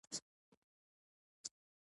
خدای دې افغانستان ساتي